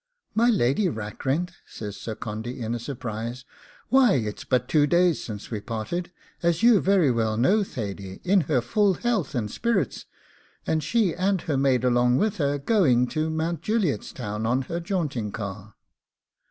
'My Lady Rackrent!' says Sir Condy, in a surprise; 'why it's but two days since we parted, as you very well know, Thady, in her full health and spirits, and she, and her maid along with her, going to Mount Juliet's Town on her jaunting car.